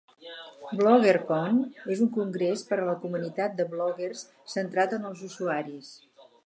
BloggerCon és un congrés per a la comunitat de bloguers centrat en els usuaris.